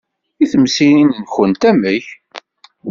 I temsirin-nwent, amek?